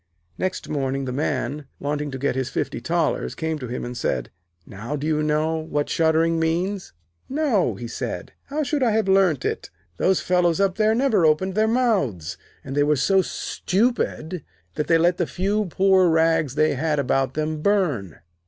Next morning, the Man, wanting to get his fifty thalers, came to him and said: 'Now do you know what shuddering means?' 'No,' he said; 'how should I have learnt it? Those fellows up there never opened their mouths, and they were so stupid that they let the few poor rags they had about them burn.'